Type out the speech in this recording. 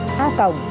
a truyền hình công an